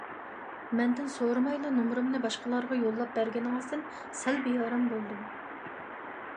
مەندىن سورىمايلا نومۇرۇمنى باشقىلارغا يوللاپ بەرگىنىڭىزدىن سەل بىئارام بولدۇم.